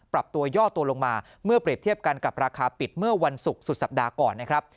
ปรับตัวย่อตัวลงมาเมื่อเปรียบเทียบกันกับราคาปิดเมื่อวันศุกร์สุดสัปดาห์ก่อนนะครับ